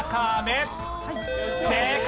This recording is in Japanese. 正解！